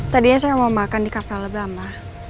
tadinya saya mau makan di cafe alabama